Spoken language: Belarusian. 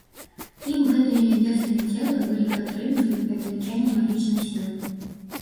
Ім гэтыя нябесныя целы былі патрэбны для павялічэння магічнай сілы.